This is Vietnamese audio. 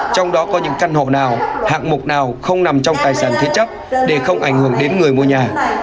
trong đó có những căn hộ nào hạng mục nào không nằm trong tài sản thế chấp để không ảnh hưởng đến người mua nhà